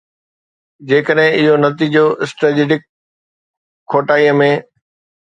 جيڪڏهن اهو نتيجو اسٽريٽجڪ کوٽائي ۾